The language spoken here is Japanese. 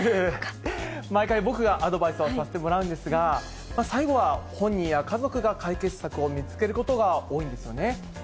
毎回、僕がアドバイスをさせてもらうんですが、最後は本人や家族が解決策を見つけることが多いんですね。